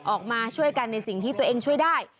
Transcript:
ออกมาช่วยกันในสิ่งที่ตัวเองช่วยได้